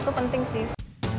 itu penting sih